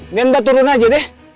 nih mbak turun aja deh